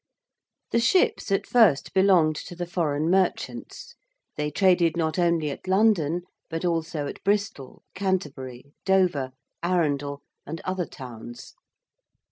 The ships at first belonged to the foreign merchants: they traded not only at London, but also at Bristol, Canterbury, Dover, Arundel, and other towns.